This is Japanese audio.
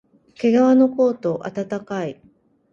けがわのコート、あたたかい